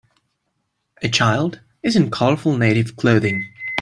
A child is in colorful native clothing